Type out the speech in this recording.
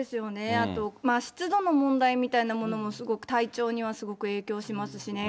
あと湿度の問題みたいなものもすごく体調には、すごく影響しますしね。